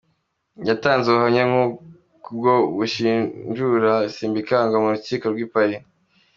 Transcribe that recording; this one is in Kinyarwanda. Yatanze ubuhamya nk’ubwo bushinjura Simbikangwa mu Rukiko rw’i Paris.